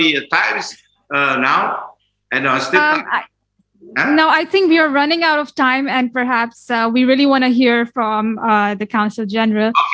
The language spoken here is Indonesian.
tidak saya pikir kita sudah lewat waktu dan mungkin kita ingin mendengar dari pak kounsel general